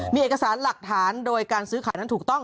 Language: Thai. มีเอกสารหลักฐานโดยการซื้อขายนั้นถูกต้อง